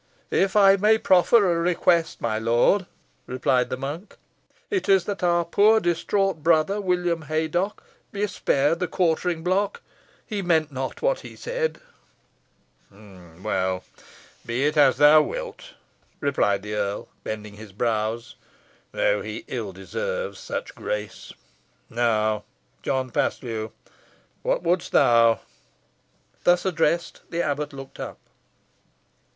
"If I may proffer a request, my lord," replied the monk, "it is that our poor distraught brother, William Haydocke, be spared the quartering block. He meant not what he said." "Well, be it as thou wilt," replied the earl, bending his brows, "though he ill deserves such grace. Now, John Paslew, what wouldst thou?" Thus addressed, the abbot looked up.